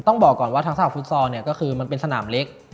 ต้องบอกก่อนว่าทักษะฟุตซอลก็คือมันเป็นสนามเล็ก